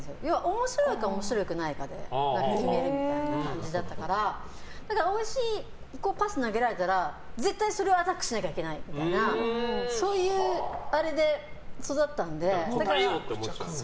面白いか面白くないかで決めるみたいな感じだったからおいしいパス投げられたら絶対それをアタックしなきゃいけないみたいな答えようって思っちゃうんだ。